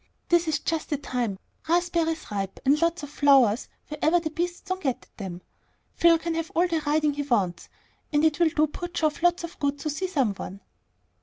This is just the time, raspberries ripe, and lots of flowers wherever the beasts don't get at them. Phil can have all the riding he wants, and it'll do poor Geoff lots of good to see some one."